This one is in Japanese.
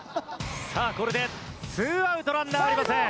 さあこれでツーアウトランナーありません。